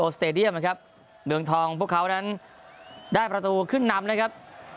สเตดียมนะครับเมืองทองพวกเขานั้นได้ประตูขึ้นนำนะครับ